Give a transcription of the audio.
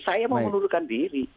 saya mau mengundurkan diri